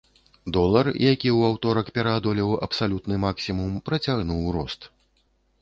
Долар, які ў аўторак пераадолеў абсалютны максімум, працягнуў рост.